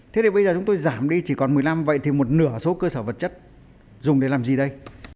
thế thì bây giờ chúng tôi giảm đi chỉ còn một mươi năm vậy thì một nửa số cơ sở vật chất dùng để làm gì đây